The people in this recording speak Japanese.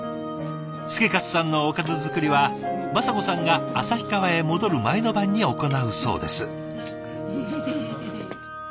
祐勝さんのおかず作りは雅子さんが旭川へ戻る前の晩に行うそうです。